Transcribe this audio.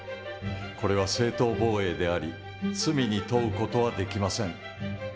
これは正当防衛であり罪に問う事はできません。